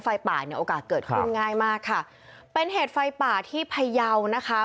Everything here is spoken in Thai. ไฟป่าเนี่ยโอกาสเกิดขึ้นง่ายมากค่ะเป็นเหตุไฟป่าที่พยาวนะคะ